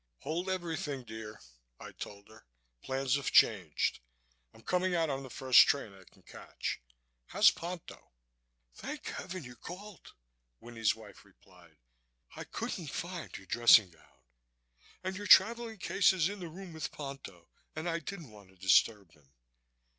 "Hold everything, dear," I told her. "Plans have changed. I'm coming out on the first train I can catch. How's Ponto?" "Thank Heaven you called," Winnie's wife replied. "I couldn't find your dressing gown and your traveling case is in the room with Ponto and I didn't want to disturb him....